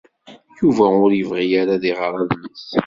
Yuba ur yebɣi ara ad iɣer adlis.